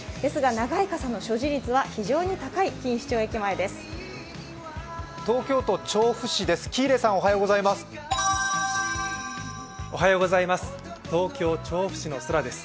長い傘の所持率は非常に高い錦糸町駅前です。